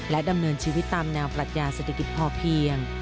ดำเนินชีวิตตามแนวปรัชญาเศรษฐกิจพอเพียง